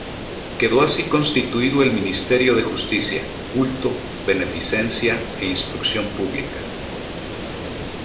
Quedó así constituido el Ministerio de Justicia, Culto, Beneficencia e Instrucción Pública.